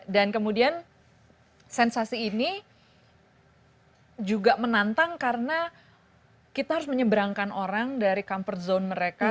dan kemudian sensasi ini juga menantang karena kita harus menyeberangkan orang dari comfort zone mereka